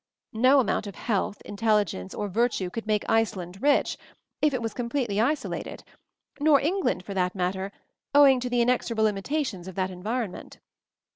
No amount of health, intelligence or virtue could make Iceland rich — if it was completely isolated; nor England, for that matter, owing to the in exorable limitations of that environment.